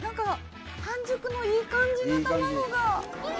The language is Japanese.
半熟のいい感じの卵が。